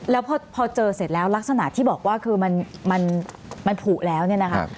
แล้วพอเจอเสร็จแล้วลักษณะที่บอกว่าคือมันผูกแล้วเนี่ยนะคะ